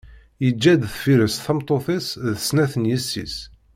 Yeǧǧa-d deffir-s tameṭṭut-is d snat n yessi-s.